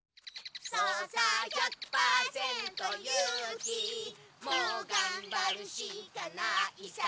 「そうさ１００％勇気」「もうがんばるしかないさ」